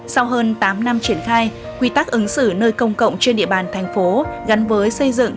sau hơn tám năm triển khai quy tắc ứng xử nơi công cộng trên địa bàn thành phố gắn với xây dựng